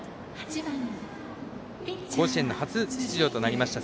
甲子園へ初出場となりました